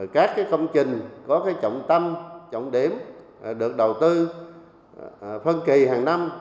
các công trình có trọng tâm trọng điểm được đầu tư phân kỳ hàng năm